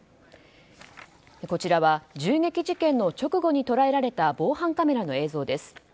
こちらは銃撃事件の直後に捉えられた防犯カメラの映像です。